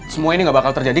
semua ini nggak bakal terjadi